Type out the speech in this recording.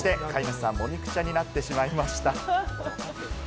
そして飼い主さんももみくちゃになってしまいました。